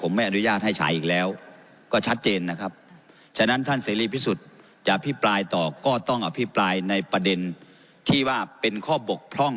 ผมไม่อนุญาตให้ฉายอีกแล้วก็ชัดเจนนะครับฉะนั้นท่านเสรีพิสุทธิ์จะอภิปรายต่อก็ต้องอภิปรายในประเด็นที่ว่าเป็นข้อบกพร่อง